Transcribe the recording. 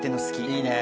いいね。